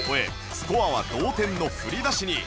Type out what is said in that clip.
スコアは同点の振り出しに